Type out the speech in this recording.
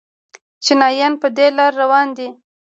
چینایان په دې لار روان دي.